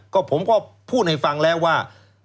ก็ผมก็พูดให้ฟังแล้วว่า